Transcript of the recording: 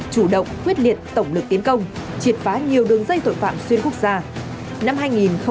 chủ động quyết liệt tổng lực tiến công triệt phá nhiều đường dây tội phạm xuyên quốc gia